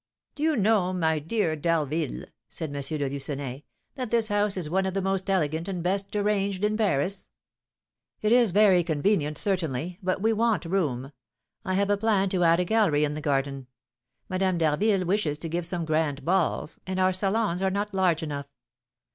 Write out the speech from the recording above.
"Do you know, my dear D'Harville," said M. de Lucenay, "that this house is one of the most elegant and best arranged in Paris?" "It is very convenient, certainly, but we want room; I have a plan to add a gallery on the garden. Madame d'Harville wishes to give some grand balls, and our salons are not large enough.